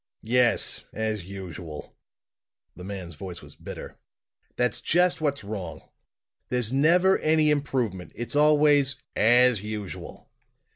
"Yes as usual!" The man's voice was bitter. "That's just what's wrong! There's never any improvement; it's always as usual!